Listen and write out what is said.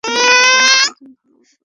তদন্ত করছেন, ভালোমতো করুন।